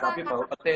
tapi bau petek